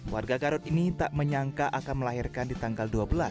warga garut ini tak menyangka akan melahirkan di tanggal dua belas